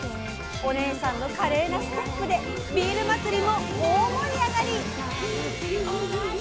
おねえさんの華麗なステップでビール祭りも大盛り上がり。